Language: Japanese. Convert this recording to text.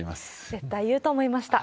絶対言うと思いました。